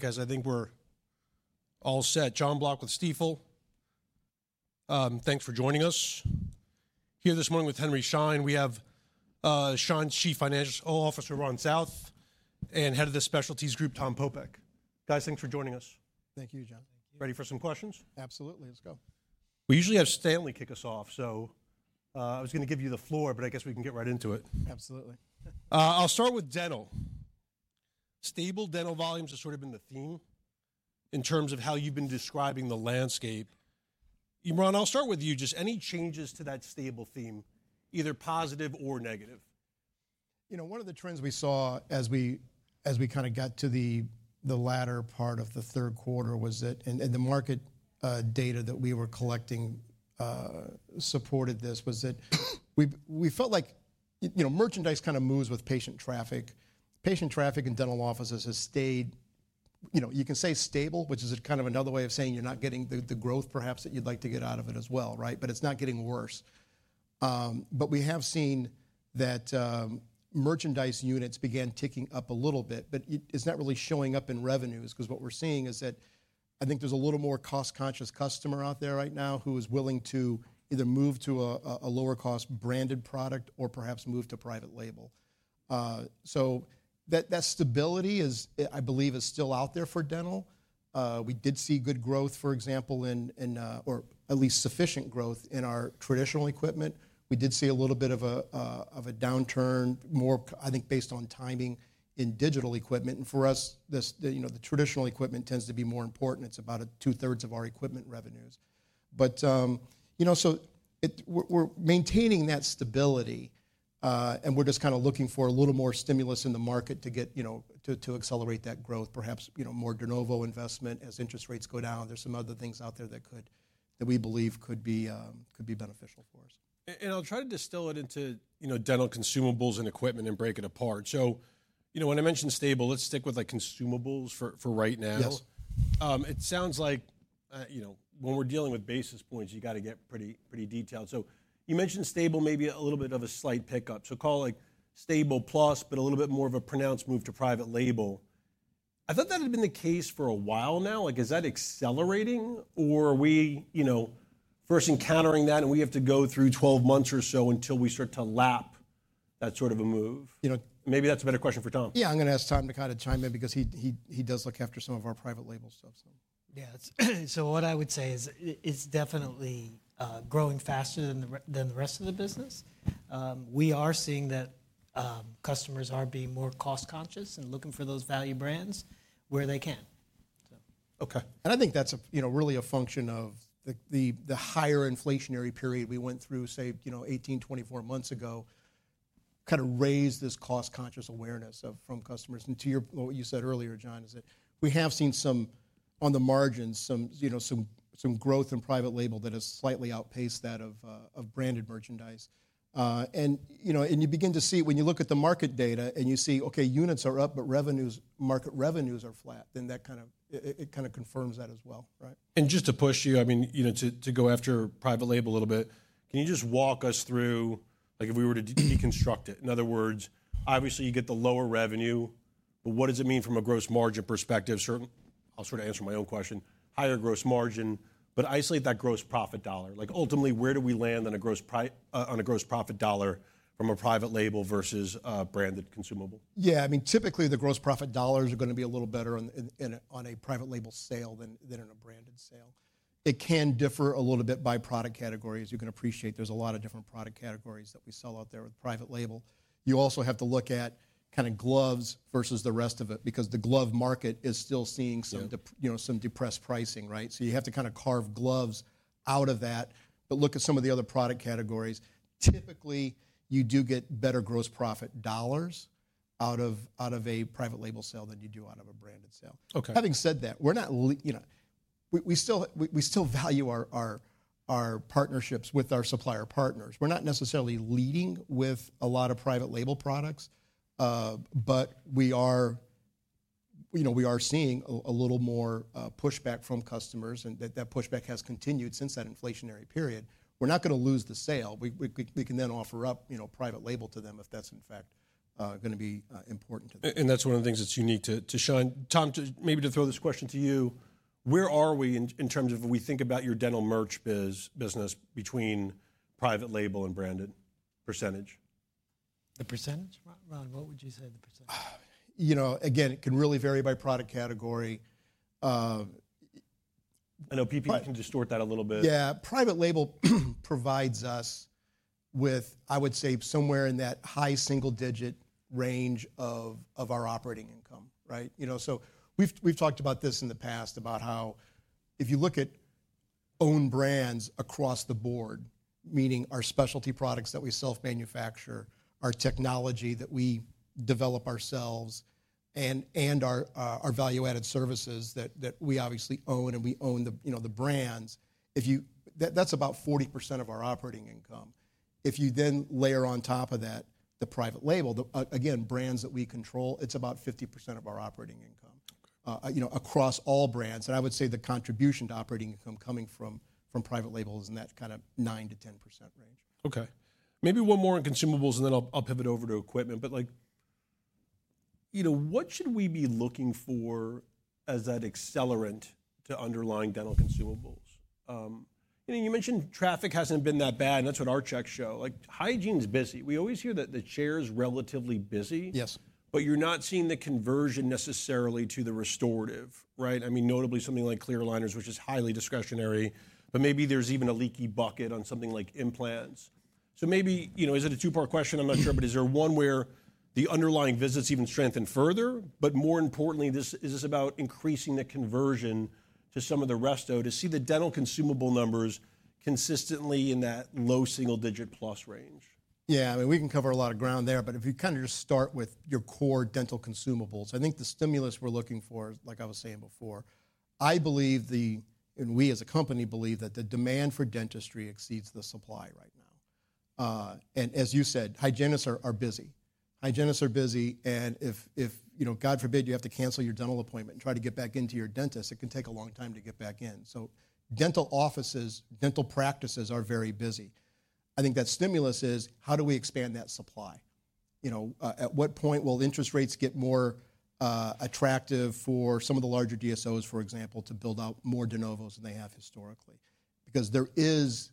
Guys, I think we're all set. John Block with Stifel. Thanks for joining us. Here this morning with Henry Schein, we have Schein's Chief Financial Officer, Ron South, and Head of the Specialties Group, Tom Popeck. Guys, thanks for joining us. Thank you, John. Thank you. Ready for some questions? Absolutely. Let's go. We usually have Stanley kick us off, so I was gonna give you the floor, but I guess we can get right into it. Absolutely. I'll start with dental. Stable dental volumes has sort of been the theme in terms of how you've been describing the landscape. Ron, I'll start with you. Just any changes to that stable theme, either positive or negative? You know, one of the trends we saw as we kinda got to the latter part of the third quarter was that, and the market data that we were collecting supported this, was that we felt like, you know, merchandise kinda moves with patient traffic. Patient traffic in dental offices has stayed, you know, you can say stable, which is a kind of another way of saying you're not getting the growth perhaps that you'd like to get out of it as well, right? But it's not getting worse. But we have seen that merchandise units began ticking up a little bit, but it's not really showing up in revenues 'cause what we're seeing is that I think there's a little more cost-conscious customer out there right now who is willing to either move to a lower-cost branded product or perhaps move to private label. So that stability is, I believe, still out there for dental. We did see good growth, for example, in or at least sufficient growth in our traditional equipment. We did see a little bit of a downturn, more I think based on timing in digital equipment. And for us, you know, the traditional equipment tends to be more important. It's about two-thirds of our equipment revenues. But, you know, so we're, we're maintaining that stability, and we're just kinda looking for a little more stimulus in the market to get, you know, to accelerate that growth, perhaps, you know, more de novo investment as interest rates go down. There's some other things out there that could we believe could be beneficial for us. And I'll try to distill it into, you know, dental consumables and equipment and break it apart. So, you know, when I mentioned stable, let's stick with, like, consumables for right now. Yes. It sounds like, you know, when we're dealing with basis points, you gotta get pretty, pretty detailed. So you mentioned stable, maybe a little bit of a slight pickup. So call it, like, stable plus, but a little bit more of a pronounced move to private label. I thought that had been the case for a while now. Like, is that accelerating, or are we, you know, first encountering that, and we have to go through 12 months or so until we start to lap that sort of a move? You know, maybe that's a better question for Tom. Yeah, I'm gonna ask Tom to kinda chime in because he does look after some of our private label stuff, so. Yeah, so what I would say is, it's definitely growing faster than the rest of the business. We are seeing that, customers are being more cost-conscious and looking for those value brands where they can, so. Okay. And I think that's a, you know, really a function of the higher inflationary period we went through, say, you know, 18, 24 months ago, kinda raised this cost-conscious awareness from customers. And to what you said earlier, John, is that we have seen some on the margins, some, you know, some growth in private label that has slightly outpaced that of branded merchandise. And, you know, and you begin to see when you look at the market data and you see, okay, units are up, but revenues, market revenues are flat, then that kind of it kinda confirms that as well, right? Just to push you, I mean, you know, to go after private label a little bit, can you just walk us through, like, if we were to deconstruct it? In other words, obviously, you get the lower revenue, but what does it mean from a gross margin perspective? Certainly, I'll sort of answer my own question. Higher gross margin, but isolate that gross profit dollar. Like, ultimately, where do we land on a gross profit dollar from a private label versus a branded consumable? Yeah, I mean, typically, the gross profit dollars are gonna be a little better on a private label sale than in a branded sale. It can differ a little bit by product category. As you can appreciate, there's a lot of different product categories that we sell out there with private label. You also have to look at kinda gloves versus the rest of it because the glove market is still seeing some. Yeah. Yep, you know, some depressed pricing, right? So you have to kinda carve gloves out of that, but look at some of the other product categories. Typically, you do get better gross profit dollars out of a private label sale than you do out of a branded sale. Okay. Having said that, we're not leaving, you know. We still value our partnerships with our supplier partners. We're not necessarily leading with a lot of private label products, but we are, you know, seeing a little more pushback from customers, and that pushback has continued since that inflationary period. We're not gonna lose the sale. We can then offer up, you know, private label to them if that's, in fact, gonna be important to them. And that's one of the things that's unique to Schein. Tom, maybe to throw this question to you, where are we in terms of we think about your dental merch business between private label and branded percentage? The percentage? Ron, Ron, what would you say the percentage? You know, again, it can really vary by product category. I know PPE can distort that a little bit. Yeah, private label provides us with, I would say, somewhere in that high single-digit range of our operating income, right? You know, so we've talked about this in the past, about how if you look at own brands across the board, meaning our specialty products that we self-manufacture, our technology that we develop ourselves, and our value-added services that we obviously own, and we own the, you know, the brands. That's about 40% of our operating income. If you then layer on top of that the private label, again, brands that we control, it's about 50% of our operating income. Okay. You know, across all brands. And I would say the contribution to operating income coming from private label is in that kinda 9%-10% range. Okay. Maybe one more on consumables, and then I'll pivot over to equipment. But like, you know, what should we be looking for as that accelerant to underlying dental consumables? You know, you mentioned traffic hasn't been that bad, and that's what our checks show. Like, hygiene's busy. We always hear that the chair's relatively busy. Yes. But you're not seeing the conversion necessarily to the restorative, right? I mean, notably something like clear aligners, which is highly discretionary, but maybe there's even a leaky bucket on something like implants. So maybe, you know, is it a two-part question? I'm not sure, but is there one where the underlying visits even strengthen further? But more importantly, this is about increasing the conversion to some of the resto to see the dental consumable numbers consistently in that low single-digit plus range? Yeah, I mean, we can cover a lot of ground there, but if you kinda just start with your core dental consumables, I think the stimulus we're looking for, like I was saying before, I believe, and we, as a company, believe that the demand for dentistry exceeds the supply right now. And as you said, hygienists are busy. Hygienists are busy, and if, you know, God forbid, you have to cancel your dental appointment and try to get back into your dentist, it can take a long time to get back in. So dental offices, dental practices are very busy. I think that stimulus is, how do we expand that supply? You know, at what point will interest rates get more attractive for some of the larger DSOs, for example, to build out more de novos than they have historically? Because there is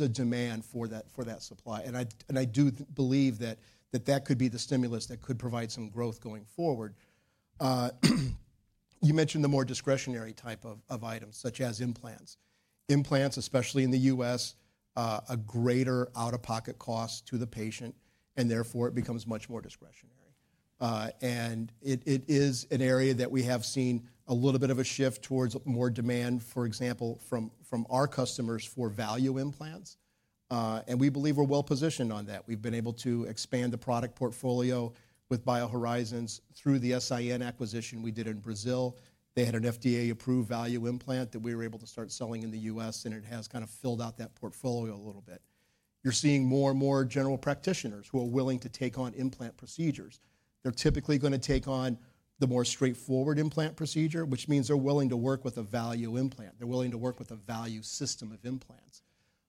a demand for that supply, and I do believe that that could be the stimulus that could provide some growth going forward. You mentioned the more discretionary type of items, such as implants. Implants, especially in the US, a greater out-of-pocket cost to the patient, and therefore it becomes much more discretionary, and it is an area that we have seen a little bit of a shift towards more demand, for example, from our customers for value implants, and we believe we're well-positioned on that. We've been able to expand the product portfolio with BioHorizons through the S.I.N. acquisition we did in Brazil. They had an FDA-approved value implant that we were able to start selling in the US, and it has kinda filled out that portfolio a little bit. You're seeing more and more general practitioners who are willing to take on implant procedures. They're typically gonna take on the more straightforward implant procedure, which means they're willing to work with a value implant. They're willing to work with a value system of implants.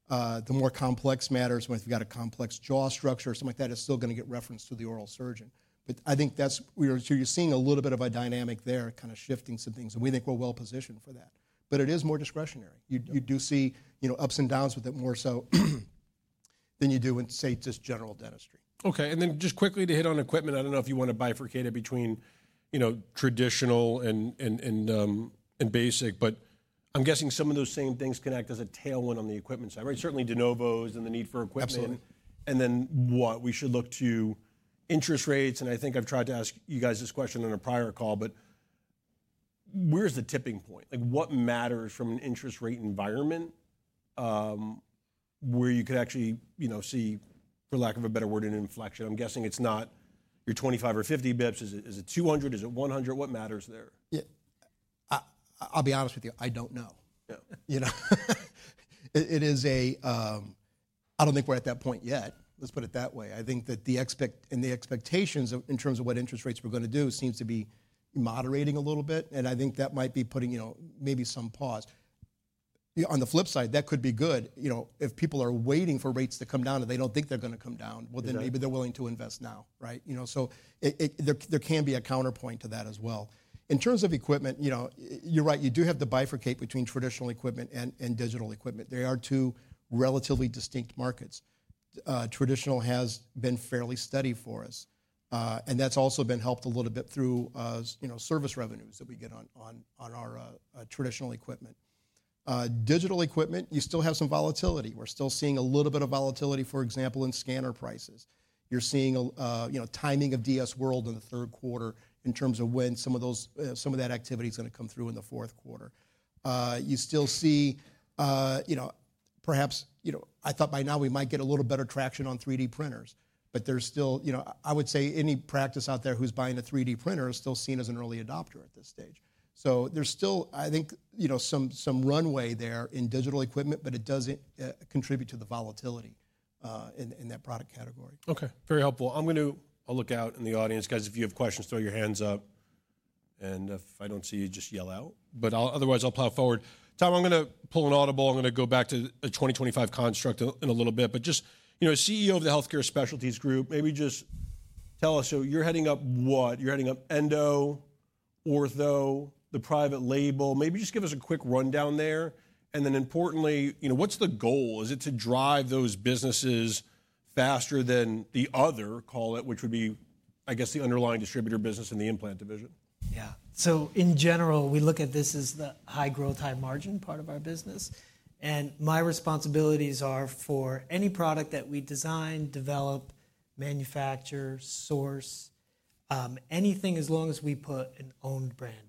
The more complex matters, when, if you've got a complex jaw structure or something like that, it's still gonna get referenced to the oral surgeon. But I think that's where we're seeing a little bit of a dynamic there, kinda shifting some things, and we think we're well-positioned for that. But it is more discretionary. You do see, you know, ups and downs with it more so than you do in, say, just general dentistry. Okay. And then just quickly to hit on equipment, I don't know if you wanna bifurcate it between, you know, traditional and basic, but I'm guessing some of those same things can act as a tailwind on the equipment side, right? Certainly de novos and the need for equipment. Absolutely. Then what we should look to interest rates. I think I've tried to ask you guys this question on a prior call, but where's the tipping point? Like, what matters from an interest rate environment, where you could actually, you know, see, for lack of a better word, an inflection? I'm guessing it's not your 25 or 50 basis points. Is it 200? Is it 100? What matters there? Yeah. I'll be honest with you, I don't know. Yeah. You know, it is. I don't think we're at that point yet. Let's put it that way. I think that the expectations in terms of what interest rates are gonna do seems to be moderating a little bit, and I think that might be putting, you know, maybe some pause. On the flip side, that could be good. You know, if people are waiting for rates to come down and they don't think they're gonna come down. Yeah. Then maybe they're willing to invest now, right? You know, so it there can be a counterpoint to that as well. In terms of equipment, you know, you're right. You do have to bifurcate between traditional equipment and digital equipment. They are two relatively distinct markets. Traditional has been fairly steady for us. And that's also been helped a little bit through, you know, service revenues that we get on our traditional equipment. Digital equipment, you still have some volatility. We're still seeing a little bit of volatility, for example, in scanner prices. You're seeing, you know, timing of DS World in the third quarter in terms of when some of that activity's gonna come through in the fourth quarter. You still see, you know, perhaps, you know, I thought by now we might get a little better traction on 3D printers, but there's still, you know, I would say any practice out there who's buying a 3D printer is still seen as an early adopter at this stage. So there's still, I think, you know, some runway there in digital equipment, but it doesn't contribute to the volatility in that product category. Okay. Very helpful. I'm gonna. I'll look out in the audience. Guys, if you have questions, throw your hands up. And if I don't see you, just yell out. But otherwise, I'll plow forward. Tom, I'm gonna pull an audible. I'm gonna go back to a 2025 construct in a little bit. But just, you know, CEO of the Healthcare Specialties Group, maybe just tell us. So you're heading up what? You're heading up endo, ortho? The private label? Maybe just give us a quick rundown there. And then importantly, you know, what's the goal? Is it to drive those businesses faster than the other, call it, which would be, I guess, the underlying distributor business and the implant division? Yeah. So in general, we look at this as the high growth, high margin part of our business. And my responsibilities are for any product that we design, develop, manufacture, source, anything as long as we put an owned brand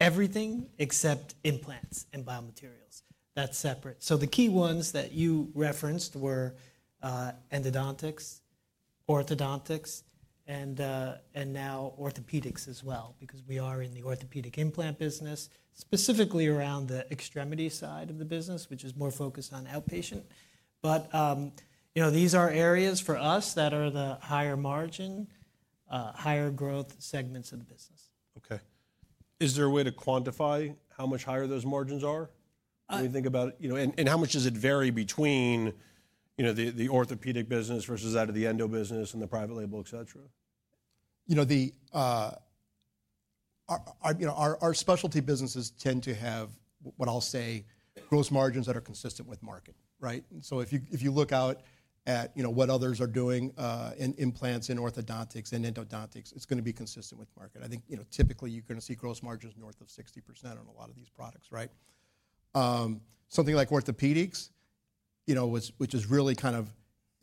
on it. Everything except implants and biomaterials. That's separate. So the key ones that you referenced were endodontics, orthodontics, and now orthopedics as well, because we are in the orthopedic implant business, specifically around the extremity side of the business, which is more focused on outpatient. But you know, these are areas for us that are the higher margin, higher growth segments of the business. Okay. Is there a way to quantify how much higher those margins are? When you think about it, you know, and how much does it vary between, you know, the orthopedic business versus that of the endo business and the private label, etc.? You know, our specialty businesses tend to have what I'll say gross margins that are consistent with market, right? And so if you look out at, you know, what others are doing, in implants, in orthodontics, in endodontics, it's gonna be consistent with market. I think, you know, typically, you're gonna see gross margins north of 60% on a lot of these products, right? Something like orthopedics, you know, which is really kind of,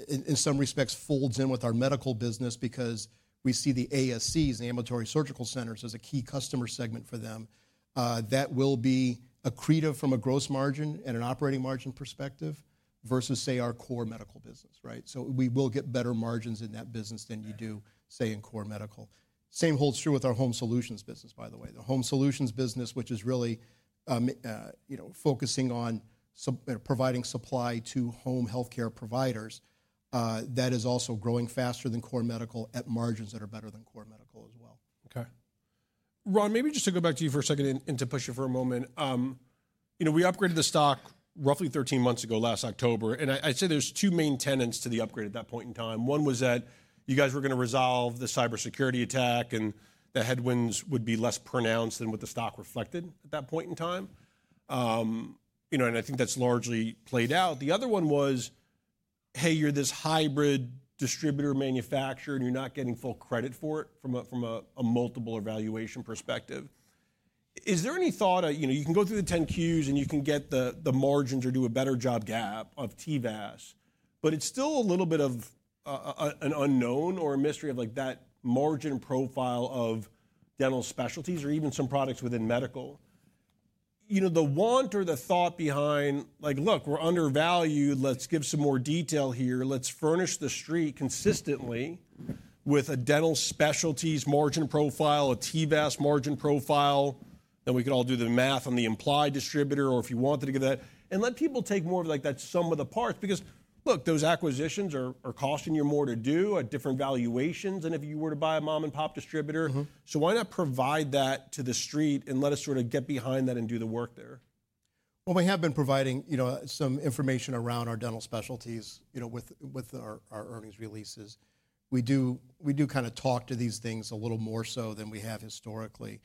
in some respects, folds in with our medical business because we see the ASCs, Ambulatory Surgical Centers, as a key customer segment for them, that will be accretive from a gross margin and an operating margin perspective versus, say, our core medical business, right? So we will get better margins in that business than you do, say, in core medical. Same holds true with our home solutions business, by the way. The home solutions business, which is really, you know, focusing on providing supply to home healthcare providers, that is also growing faster than core medical at margins that are better than core medical as well. Okay. Ron, maybe just to go back to you for a second and to push you for a moment. You know, we upgraded the stock roughly 13 months ago last October. I'd say there's two main tenets to the upgrade at that point in time. One was that you guys were gonna resolve the cybersecurity attack, and the headwinds would be less pronounced than what the stock reflected at that point in time. You know, and I think that's largely played out. The other one was, hey, you're this hybrid distributor manufacturer, and you're not getting full credit for it from a multiple evaluation perspective. Is there any thought, you know, you can go through the 10-Qs, and you can get the margins or do a better job GAAP of TVAS, but it's still a little bit of, an unknown or a mystery of, like, that margin profile of dental specialties or even some products within medical. You know, the want or the thought behind, like, "Look, we're undervalued. Let's give some more detail here. Let's furnish the street consistently with a dental specialties margin profile, a TVAS margin profile, then we can all do the math on the implied distributor or if you wanted to give that," and let people take more of, like, that sum of the parts because, look, those acquisitions are costing you more to do at different valuations than if you were to buy a mom-and-pop distributor? Mm-hmm. So why not provide that to the Street and let us sort of get behind that and do the work there? We have been providing, you know, some information around our dental specialties, you know, with our earnings releases. We do kinda talk to these things a little more so than we have historically.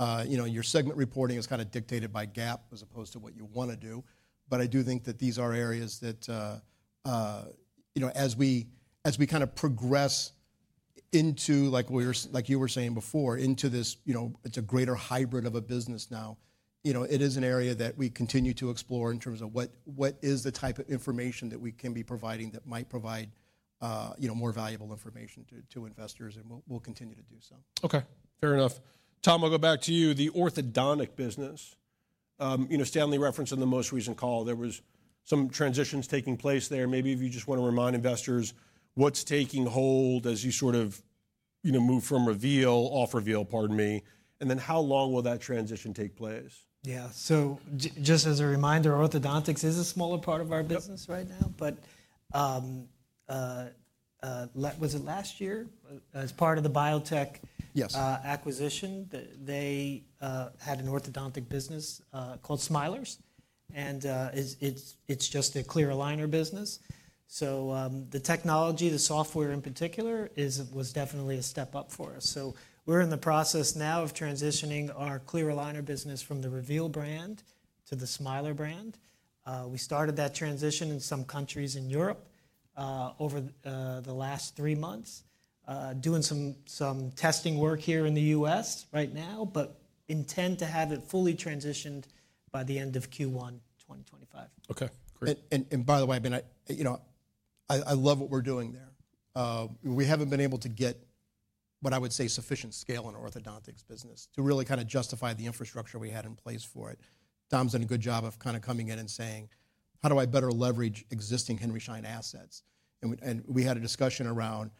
You know, your segment reporting is kinda dictated by GAAP as opposed to what you wanna do. But I do think that these are areas that, you know, as we kinda progress into, like, what we were like you were saying before, into this, you know, it's a greater hybrid of a business now. You know, it is an area that we continue to explore in terms of what is the type of information that we can be providing that might provide, you know, more valuable information to investors, and we'll continue to do so. Okay. Fair enough. Tom, I'll go back to you. The orthodontic business, you know, Stanley referenced in the most recent call, there was some transitions taking place there. Maybe if you just wanna remind investors, what's taking hold as you sort of, you know, move from Reveal, off-Reveal, pardon me, and then how long will that transition take place? Yeah. So just as a reminder, orthodontics is a smaller part of our business right now, but let's see, was it last year as part of the Biotech. Yes. Acquisition, they had an orthodontic business called Smilers, and it's just a clear aligner business. So the technology, the software in particular, was definitely a step up for us. So we're in the process now of transitioning our clear aligner business from the Reveal brand to the Smilers brand. We started that transition in some countries in Europe over the last three months, doing some testing work here in the U.S. right now, but intend to have it fully transitioned by the end of Q1 2025. Okay. Great. By the way, I mean, you know, I love what we're doing there. We haven't been able to get what I would say sufficient scale in orthodontics business to really kinda justify the infrastructure we had in place for it. Tom's done a good job of kinda coming in and saying, "How do I better leverage existing Henry Schein assets?" We had a discussion around,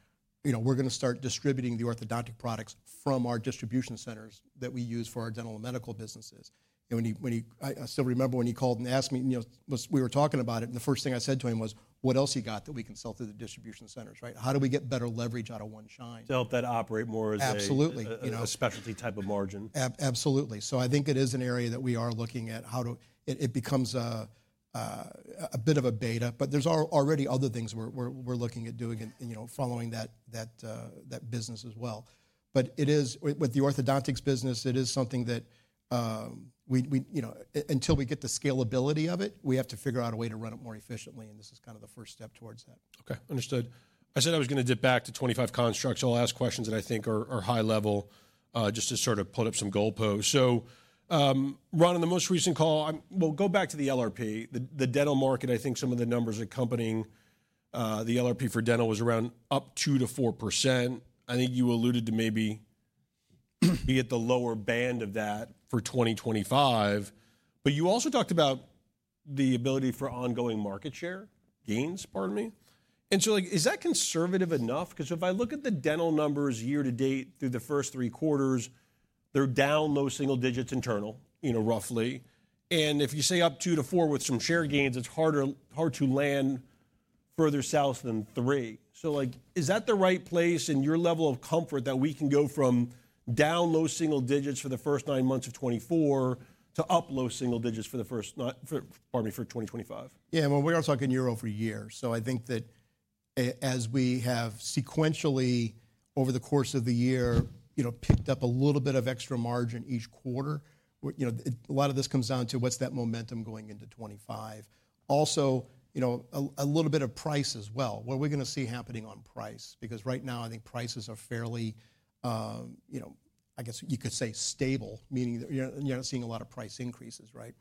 you know, we're gonna start distributing the orthodontic products from our distribution centers that we use for our dental and medical businesses. I still remember when he called and asked me, you know, when we were talking about it, and the first thing I said to him was, "What else you got that we can sell to the distribution centers?" Right? How do we get better leverage out of one Schein? To help that operate more as a? Absolutely. You know. A specialty type of margin. Absolutely. I think it is an area that we are looking at how to it becomes a bit of a beta, but there's already other things we're looking at doing and, you know, following that business as well. But it is with the orthodontics business. It is something that we, you know, until we get the scalability of it, we have to figure out a way to run it more efficiently, and this is kinda the first step towards that. Okay. Understood. I said I was gonna dip back to 25 constructs. I'll ask questions that I think are high level, just to sort of put up some goalposts. So, Ron, in the most recent call, we'll go back to the LRP. The dental market, I think some of the numbers accompanying the LRP for dental was around up 2 to 4%. I think you alluded to maybe be at the lower band of that for 2025, but you also talked about the ability for ongoing market share gains, pardon me. And so, like, is that conservative enough? 'Cause if I look at the dental numbers year to date through the first three quarters, they're down low single digits internal, you know, roughly. And if you say up 2 to 4% with some share gains, it's harder to land further south than three. So, like, is that the right place in your level of comfort that we can go from down low single digits for the first nine months of 2024 to up low single digits for the first nine for, pardon me, for 2025? Yeah. Well, we are talking year over year. So I think that as we have sequentially over the course of the year, you know, picked up a little bit of extra margin each quarter, you know, a lot of this comes down to what's that momentum going into 2025. Also, you know, a little bit of price as well. What are we gonna see happening on price? Because right now, I think prices are fairly, you know, I guess you could say stable, meaning that you're not seeing a lot of price increases, right?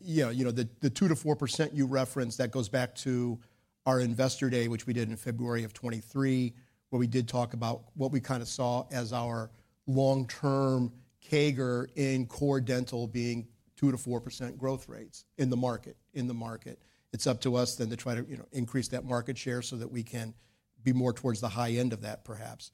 You know, the 2% to 4% you referenced, that goes back to our investor day, which we did in February of 2023, where we did talk about what we kinda saw as our long-term CAGR in core dental being 2% to 4% growth rates in the market. It's up to us then to try to, you know, increase that market share so that we can be more towards the high end of that, perhaps.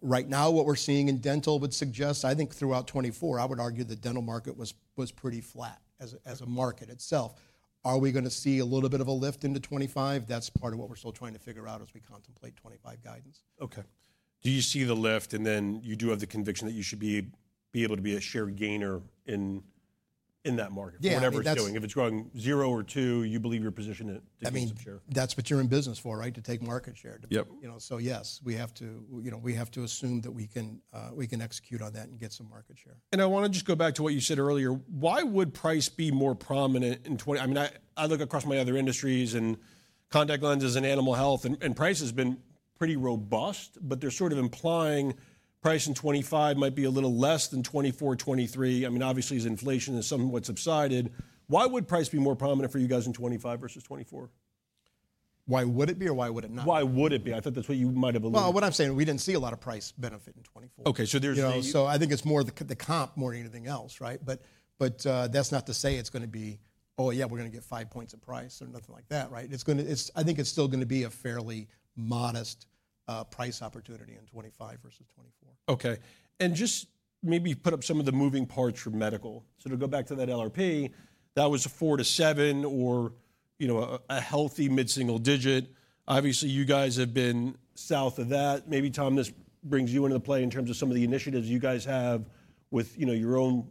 Right now, what we're seeing in dental would suggest, I think throughout 2024, I would argue the dental market was pretty flat as a market itself. Are we gonna see a little bit of a lift into 2025? That's part of what we're still trying to figure out as we contemplate 2025 guidance. Okay. Do you see the lift? And then you do have the conviction that you should be able to be a share gainer in that market. Yeah. For whatever it's doing. If it's growing zero or two, you believe your position to get some share. I mean, that's what you're in business for, right? To take market share. Yep. You know, so yes, we have to assume that we can execute on that and get some market share. And I wanna just go back to what you said earlier. Why would price be more prominent in 2020? I mean, I look across my other industries and contact lenses and animal health, and price has been pretty robust, but they're sort of implying price in 2025 might be a little less than 2024, 2023. I mean, obviously, as inflation has somewhat subsided, why would price be more prominent for you guys in 2025 versus 2024? Why would it be or why would it not? Why would it be? I thought that's what you might have alluded to. What I'm saying, we didn't see a lot of price benefit in 2024. Okay, so there's no. You know, so I think it's more the comp more than anything else, right? But, that's not to say it's gonna be, "Oh, yeah, we're gonna get 5 points of price or nothing like that," right? It's gonna I think it's still gonna be a fairly modest, price opportunity in 2025 versus 2024. Okay. And just maybe put up some of the moving parts for medical. So to go back to that LRP, that was a 4 to 7 or, you know, a healthy mid-single digit. Obviously, you guys have been south of that. Maybe Tom, this brings you into the play in terms of some of the initiatives you guys have with, you know, your own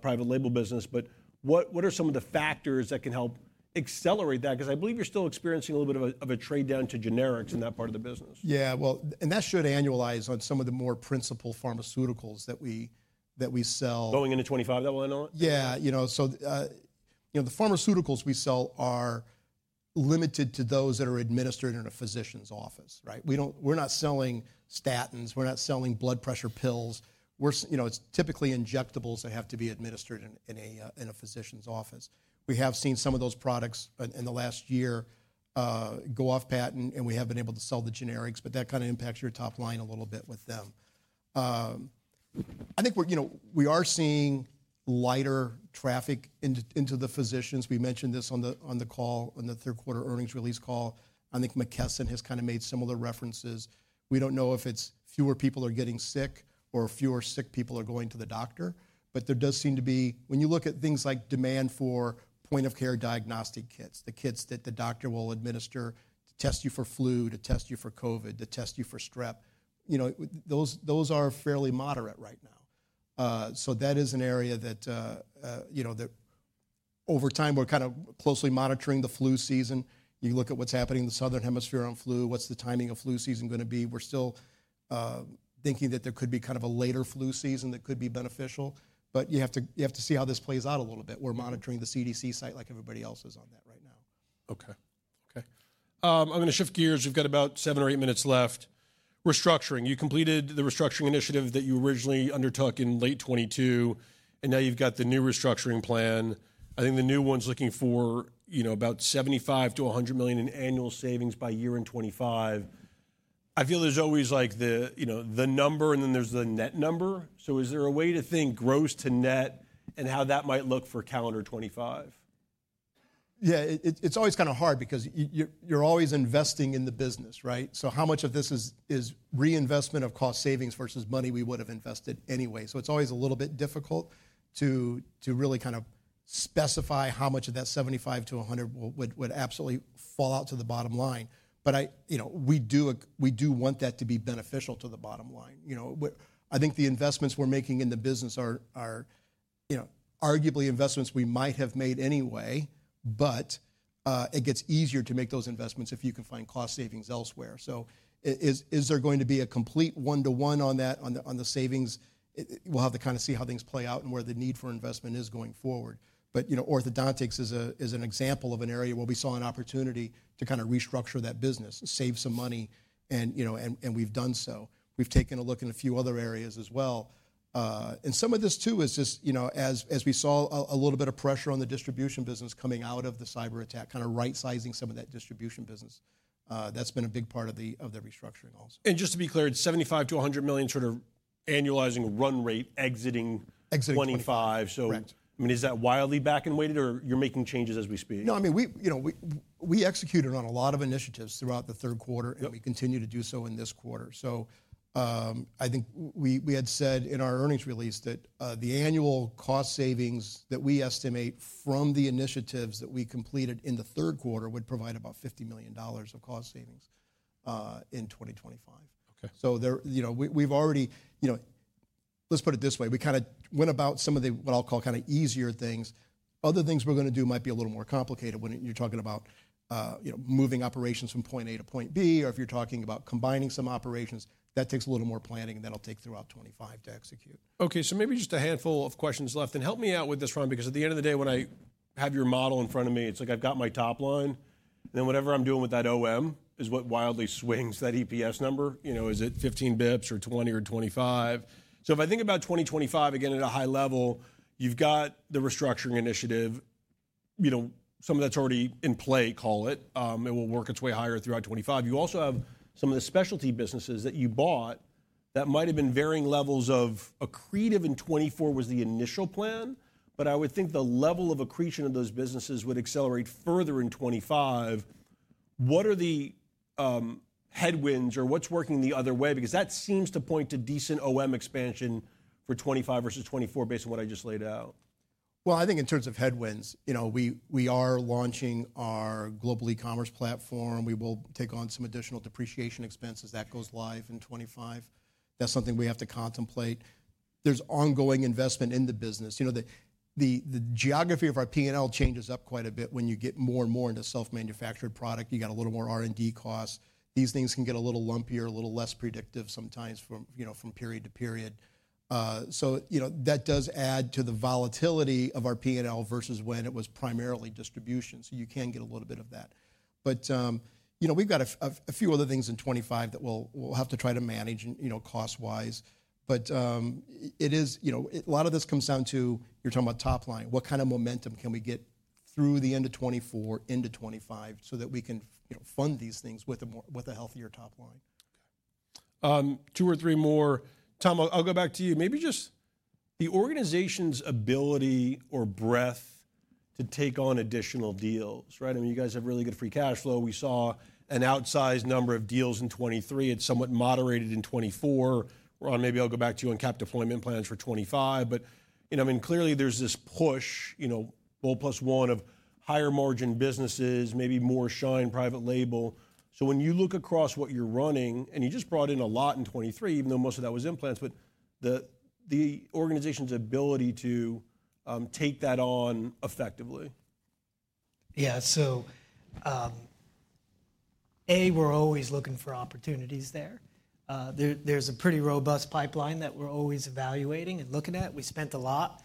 private label business. But what are some of the factors that can help accelerate that? 'Cause I believe you're still experiencing a little bit of a trade down to generics in that part of the business. Yeah. Well, and that should annualize on some of the more principal pharmaceuticals that we sell. Going into 2025, that will annualize? Yeah. You know, so, you know, the pharmaceuticals we sell are limited to those that are administered in a physician's office, right? We don't, we're not selling statins. We're not selling blood pressure pills. We're, you know, it's typically injectables that have to be administered in a physician's office. We have seen some of those products in the last year go off patent, and we have been able to sell the generics, but that kinda impacts your top line a little bit with them. I think we're, you know, we are seeing lighter traffic into the physicians. We mentioned this on the call, on the third quarter earnings release call. I think McKesson has kinda made similar references. We don't know if it's fewer people are getting sick or fewer sick people are going to the doctor, but there does seem to be, when you look at things like demand for point-of-care diagnostic kits, the kits that the doctor will administer to test you for flu, to test you for COVID, to test you for strep, you know, those, those are fairly moderate right now. So that is an area that, you know, that over time we're kinda closely monitoring the flu season. You look at what's happening in the southern hemisphere on flu, what's the timing of flu season gonna be? We're still thinking that there could be kind of a later flu season that could be beneficial, but you have to see how this plays out a little bit. We're monitoring the CDC site like everybody else is on that right now. Okay. Okay. I'm gonna shift gears. We've got about seven or eight minutes left. Restructuring. You completed the restructuring initiative that you originally undertook in late 2022, and now you've got the new restructuring plan. I think the new one's looking for, you know, about $75 million to $100 million in annual savings by year in 2025. I feel there's always, like, the, you know, the number, and then there's the net number. So is there a way to think gross to net and how that might look for calendar 2025? Yeah. It's always kinda hard because you're always investing in the business, right? So how much of this is reinvestment of cost savings versus money we would've invested anyway? So it's always a little bit difficult to really kinda specify how much of that 75 to 100 would absolutely fall out to the bottom line. But I, you know, we do want that to be beneficial to the bottom line. You know, I think the investments we're making in the business are, you know, arguably investments we might have made anyway, but it gets easier to make those investments if you can find cost savings elsewhere. So is there going to be a complete one-to-one on that, on the savings? We'll have to kinda see how things play out and where the need for investment is going forward, but you know, orthodontics is an example of an area where we saw an opportunity to kinda restructure that business, save some money, and you know, we've done so. We've taken a look in a few other areas as well, and some of this too is just you know, as we saw a little bit of pressure on the distribution business coming out of the cyber attack, kinda right-sizing some of that distribution business. That's been a big part of the restructuring also. Just to be clear, it's $75 million to $100 million sort of annualizing run rate, exiting. Exiting 2025. 2025. So. Correct. I mean, is that wildly back-end weighted, or you're making changes as we speak? No. I mean, we, you know, executed on a lot of initiatives throughout the third quarter, and we continue to do so in this quarter. So, I think we had said in our earnings release that the annual cost savings that we estimate from the initiatives that we completed in the third quarter would provide about $50 million of cost savings in 2025. Okay. So there, you know, we, we've already, you know, let's put it this way. We kinda went about some of the what I'll call kinda easier things. Other things we're gonna do might be a little more complicated when you're talking about, you know, moving operations from point A to point B, or if you're talking about combining some operations, that takes a little more planning, and that'll take throughout 2025 to execute. Okay. So maybe just a handful of questions left. And help me out with this, Ron, because at the end of the day, when I have your model in front of me, it's like I've got my top line, and then whatever I'm doing with that OM is what wildly swings that EPS number. You know, is it 15 bips or 20 or 25? So if I think about 2025 again at a high level, you've got the restructuring initiative, you know, some of that's already in play, call it. It will work its way higher throughout 2025. You also have some of the specialty businesses that you bought that might have been varying levels of accretive in 2024 was the initial plan, but I would think the level of accretion of those businesses would accelerate further in 2025. What are the headwinds or what's working the other way? Because that seems to point to decent OM expansion for 2025 versus 2024 based on what I just laid out. I think in terms of headwinds, you know, we are launching our global e-commerce platform. We will take on some additional depreciation expenses that goes live in 2025. That's something we have to contemplate. There's ongoing investment in the business. You know, the geography of our P&L changes up quite a bit when you get more and more into self-manufactured product. You got a little more R&D costs. These things can get a little lumpier, a little less predictive sometimes from, you know, from period to period. So, you know, that does add to the volatility of our P&L versus when it was primarily distribution. So you can get a little bit of that. But, you know, we've got a few other things in 2025 that we'll have to try to manage and, you know, cost-wise. But it is, you know, a lot of this comes down to you're talking about top line. What kinda momentum can we get through the end of 2024, into 2025 so that we can, you know, fund these things with a more healthier top line? Okay. Two or three more. Tom, I'll go back to you. Maybe just the organization's ability or breadth to take on additional deals, right? I mean, you guys have really good free cash flow. We saw an outsized number of deals in 2023. It's somewhat moderated in 2024. Ron, maybe I'll go back to you on cap deployment plans for 2025. You know, I mean, clearly there's this push, you know, bolt-on of higher margin businesses, maybe more Schein private label. So when you look across what you're running, and you just brought in a lot in 2023, even though most of that was implants, but the organization's ability to take that on effectively. Yeah. So, A, we're always looking for opportunities there. There's a pretty robust pipeline that we're always evaluating and looking at. We spent a lot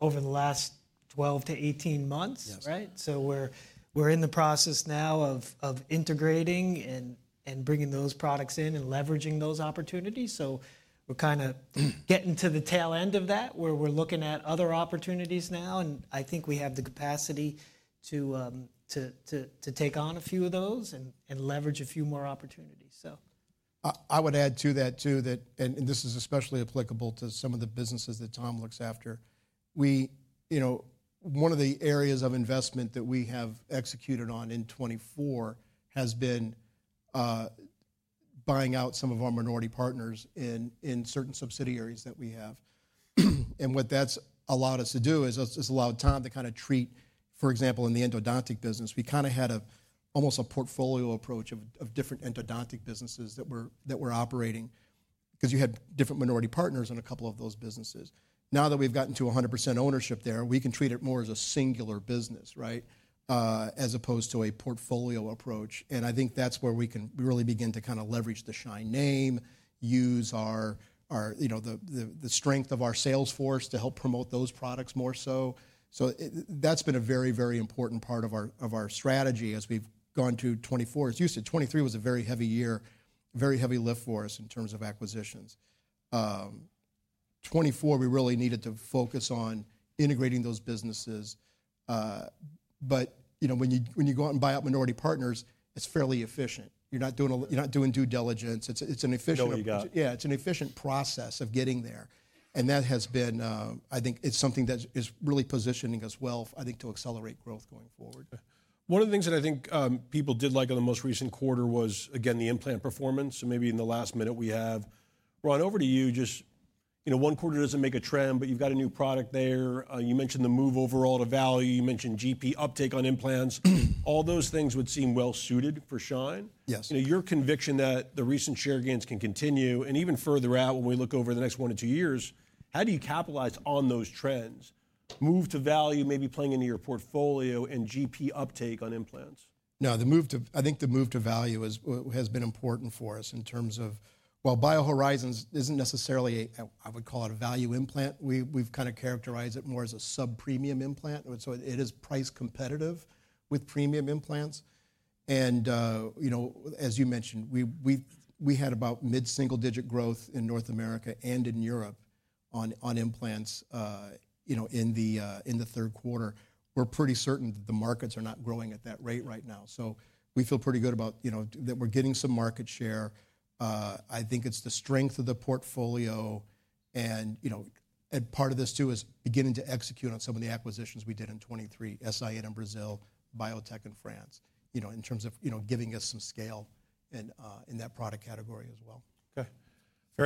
over the last 12 to 18 months, right? So we're in the process now of integrating and bringing those products in and leveraging those opportunities. So we're kinda getting to the tail end of that where we're looking at other opportunities now, and I think we have the capacity to take on a few of those and leverage a few more opportunities. So. I would add to that too that, and this is especially applicable to some of the businesses that Tom looks after. We, you know, one of the areas of investment that we have executed on in 2024 has been buying out some of our minority partners in certain subsidiaries that we have. And what that's allowed us to do is allowed Tom to kinda treat, for example, in the endodontic business, we kinda had almost a portfolio approach of different endodontic businesses that we're operating 'cause you had different minority partners in a couple of those businesses. Now that we've gotten to 100% ownership there, we can treat it more as a singular business, right? as opposed to a portfolio approach. I think that's where we can really begin to kinda leverage the Schein name, use our you know the strength of our sales force to help promote those products more so. So it that's been a very important part of our strategy as we've gone to 2024. As you said, 2023 was a very heavy year, very heavy lift for us in terms of acquisitions. 2024, we really needed to focus on integrating those businesses. But you know when you go out and buy out minority partners, it's fairly efficient. You're not doing due diligence. It's an efficient. Don't you got? Yeah. It's an efficient process of getting there, and that has been, I think it's something that is really positioning us well, I think, to accelerate growth going forward. One of the things that I think people did like in the most recent quarter was, again, the implant performance, and maybe in the last minute we have, Ron, over to you. Just, you know, one quarter doesn't make a trend, but you've got a new product there. You mentioned the move overall to value. You mentioned GP uptake on implants. All those things would seem well suited for Schein. Yes. You know, your conviction that the recent share gains can continue and even further out when we look over the next one to two years, how do you capitalize on those trends, move to value, maybe playing into your portfolio and GP uptake on implants? No, the move to value is, has been important for us in terms of, well, BioHorizons isn't necessarily a, I would call it a value implant. We, we've kinda characterized it more as a sub-premium implant. And so it is price competitive with premium implants. And, you know, as you mentioned, we had about mid-single digit growth in North America and in Europe on implants, you know, in the third quarter. We're pretty certain that the markets are not growing at that rate right now. So we feel pretty good about, you know, that we're getting some market share. I think it's the strength of the portfolio. You know, and part of this too is beginning to execute on some of the acquisitions we did in 2023, S.I.N. in Brazil, Biotech in France, you know, in terms of, you know, giving us some scale in that product category as well. Okay. Fair.